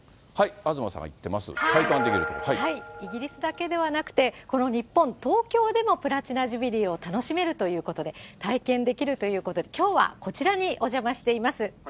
東さんが行ってます、イギリスだけではなくて、この日本、東京でもプラチナ・ジュビリーを楽しめるということで、体験できるということで、きょうはこちらにお邪魔しています。